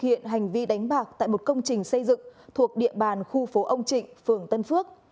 hiện hành vi đánh bạc tại một công trình xây dựng thuộc địa bàn khu phố ông trịnh phường tân phước